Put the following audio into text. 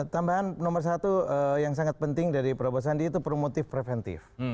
tambahan nomor satu yang sangat penting dari prabowo sandi itu promotif preventif